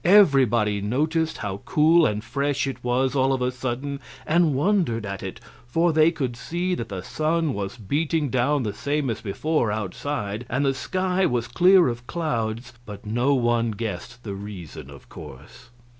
Everybody noticed how cool and fresh it was, all of a sudden, and wondered at it, for they could see that the sun was beating down the same as before, outside, and the sky was clear of clouds, but no one guessed the reason, of course.